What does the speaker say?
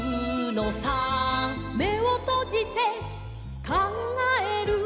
「めをとじてかんがえる」